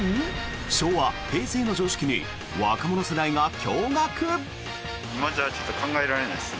昭和、平成の常識に若者世代が驚がく。